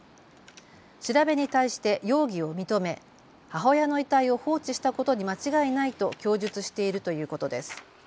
調べに対して容疑を認め母親の遺体を放置したことに間違いないと供述しているということです。